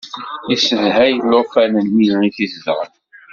Yessedhay llufan-nni i t-izedɣen.